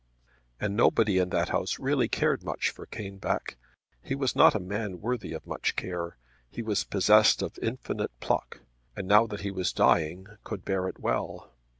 And nobody in that house really cared much for Caneback. He was not a man worthy of much care. He was possessed of infinite pluck, and now that he was dying could bear it well.